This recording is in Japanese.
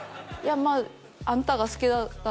まあ「あんたが好きだったら」